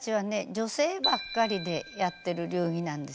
女性ばっかりでやってる流儀なんです。